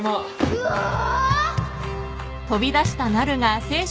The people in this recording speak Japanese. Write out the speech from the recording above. うわあ。